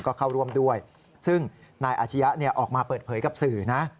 ก็เข้าร่วมด้วยซึ่งนายอาชียะออกมาเปิดเผยกับสื่อนะ